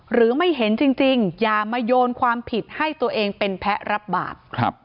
หรือไม่เห็นจริงอย่ามาโยนความผิดให้ตัวเองเป็นแพ้รับบาป